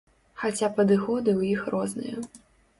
Хаця падыходы ў іх розныя.